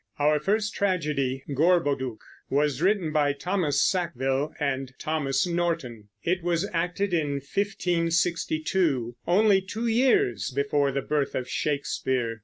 Our first tragedy, "Gorboduc," was written by Thomas Sackville and Thomas Norton, and was acted in 1562, only two years before the birth of Shakespeare.